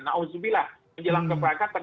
na'udzubillah menjelang keberangkatan